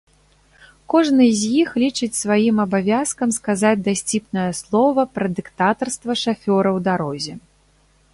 Кожны з іх лічыць сваім абавязкам сказаць дасціпнае слова пра дыктатарства шафёра ў дарозе.